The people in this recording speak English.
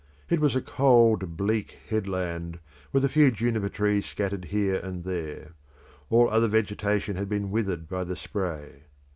It was a cold, bleak headland, with a few juniper trees scattered here and there: all other vegetation had been withered by the spray.